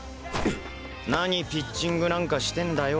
なにピッチングなんかしてんだよ。